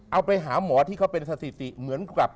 เอาไปหาหมอที่เขาเป็นสถิติเหมือนกับ